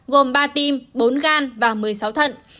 gồm ba tim bốn gan và một mươi sáu thận